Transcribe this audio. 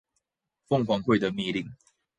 鳳凰會的密令